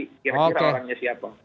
kira kira orangnya siapa